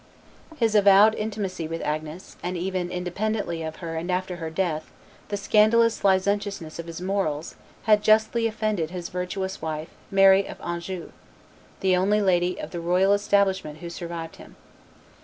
His avowed intimacy with Agnes, and even, independently of her and after her death, the scandalous licentiousness of his morals, had justly offended his virtuous wife, Mary of Anjou, the only lady of the royal establishment who survived him.